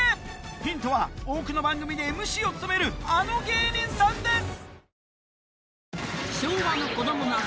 ヒントは多くの番組でＭＣを務めるあの芸人さんです